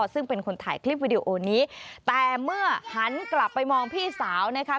ซึ่งเป็นคนถ่ายคลิปวิดีโอนี้แต่เมื่อหันกลับไปมองพี่สาวนะคะ